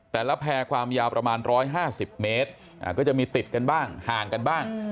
แพร่ความยาวประมาณ๑๕๐เมตรก็จะมีติดกันบ้างห่างกันบ้าง